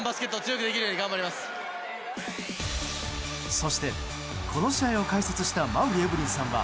そしてこの試合を解説した馬瓜エブリンさんは